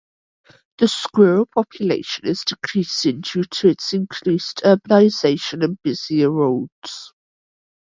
The squirrel population is decreasing due to increased urbanization and busier roads.